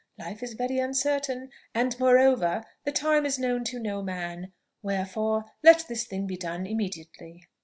Life is very uncertain; and moreover, the time is known to no man. Wherefore, let this thing be done immediately."